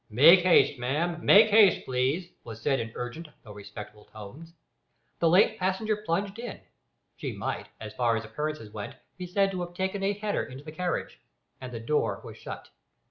"Make haste, ma'am; make haste, please," was said in urgent, though respectful tones. The late passenger plunged in she might, as far as appearances went, be said to have taken a header into the carriage and the door was shut.